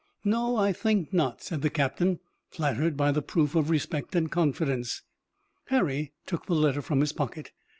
"No, I think not," said the captain, flattered by the proof of respect and confidence. Harry took the letter from his pocket.